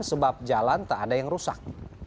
sebab jalan tak ada yang rusak